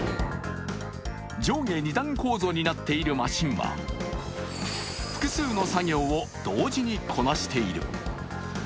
上下２段構造になっているマシンは複数の作業を同時にこなしている。